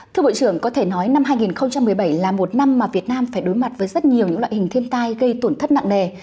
thưa bộ trưởng có thể nói năm hai nghìn một mươi bảy là một năm mà việt nam phải đối mặt với rất nhiều những loại hình thiên tai gây tổn thất nặng nề